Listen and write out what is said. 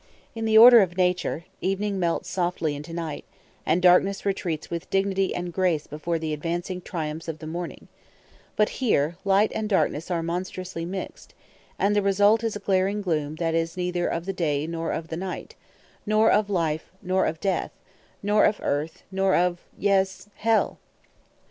In the order of nature, evening melts softly into night, and darkness retreats with dignity and grace before the advancing triumphs of the morning; but here light and darkness are monstrously mixed, and the result is a glaring gloom that is neither of the day nor of the night, nor of life nor of death, nor of earth nor of yes, hell!